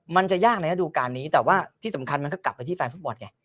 มันจะยากในระดูการนี้แต่ว่าที่สำคัญมันก็กลับไปที่แฟนฟุตบอลไง